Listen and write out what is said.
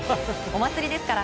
お祭りですから。